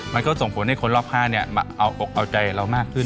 มันก็ส่งผลให้คนรอบ๕เอาอกเอาใจเรามากขึ้น